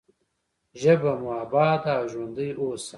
ژبه مو اباده او ژوندۍ اوسه.